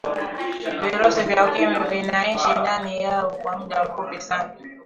virusi vya ukimwi vinaishi ndani yao kwa muda mfupi sana